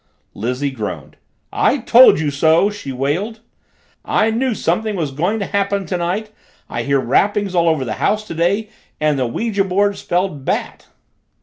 Lizzie groaned. "I told you so," she wailed. "I knew something was going to happen tonight. I heard rappings all over the house today, and the ouija board spelled Bat!"